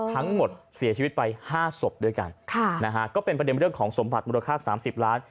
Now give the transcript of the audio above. ทั้งหมดเสียชีวิตไป๕ศพด้วยกันก็เป็นประเด็นเรื่องของสมบัติมูลค่า๓๐ล้าน